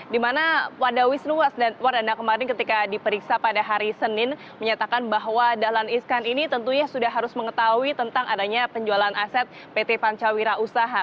dimana wada wisnu wasda wardana kemarin ketika diperiksa pada hari senin menyatakan bahwa dahlan iskan ini tentunya sudah harus mengetahui tentang adanya penjualan aset pt pancawira usaha